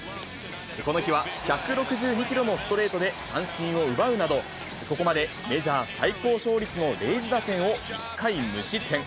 この日は１６２キロのストレートで三振を奪うなど、ここまでメジャー最高勝率のレイズ打線を１回無失点。